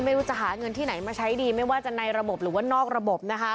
ไม่รู้จะหาเงินที่ไหนมาใช้ดีไม่ว่าจะในระบบหรือว่านอกระบบนะคะ